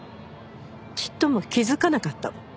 ちっとも気づかなかったわ。